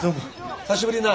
久しぶりだな。